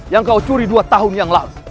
yang kau curi dua tahun yang lalu